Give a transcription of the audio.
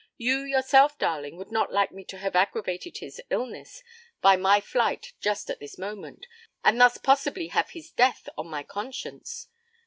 You yourself, darling, would not like me to have aggravated his illness by my flight just at this moment, and thus possibly have his death on my conscience.'